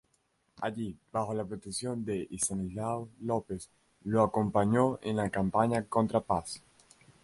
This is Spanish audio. Allí, bajo la protección de Estanislao López, lo acompañó en la campaña contra Paz.